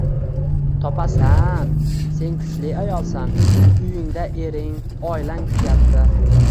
-Topasan. Sen kuchli ayolsan. Uyingda ering, oilang kutyapti.